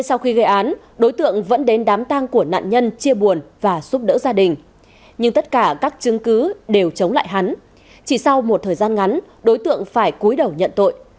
sau một thời gian ngắn đối tượng phải cúi đầu nhận tội